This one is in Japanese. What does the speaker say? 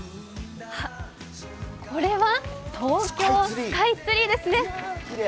これは東京スカイツリーですね。